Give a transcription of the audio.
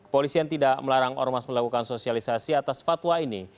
polisian tidak melarang ormas melakukan sosialisasi atas fatwa ini